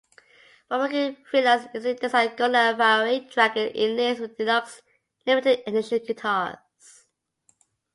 While working freelance, Easley designed gold-and-ivory dragon inlays for deluxe limited-edition guitars.